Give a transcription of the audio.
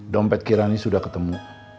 dompet kirani sudah ketemu